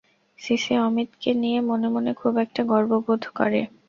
CC অমিতকে নিয়ে মনে মনে খুব একটা গর্ব বোধ করে।